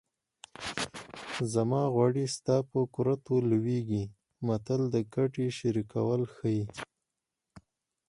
زما غوړي ستا په کورتو لوېږي متل د ګټې شریکول ښيي